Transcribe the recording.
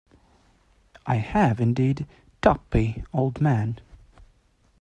I have, indeed, Tuppy, old man.